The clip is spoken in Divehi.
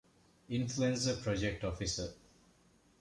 އިންފުލުއެންޒާ ޕްރޮޖެކްޓް އޮފިސަރ